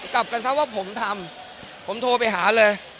กลับกันซะว่าผมทำผมโทรไปหาเลย